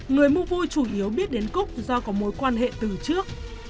người mua vui chủ yếu biết đến cúc do có mối quan hệ từ trước